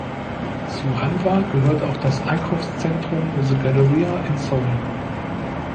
Zu "Hanwha" gehört auch das Einkaufszentrum "The Galleria" in Seoul.